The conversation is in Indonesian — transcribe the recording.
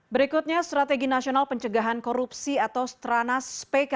berikutnya strategi nasional pencegahan korupsi atau stranas pk